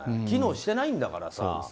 機能してないんだからさ。